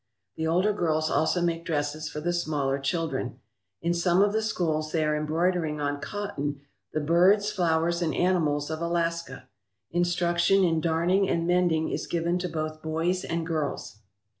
The older girls also make dresses for the smaller children. In some of the schools they are em broidering on cotton the birds, flowers, and animals of Alaska. Instruction in darning and mending is given to both boys and girls.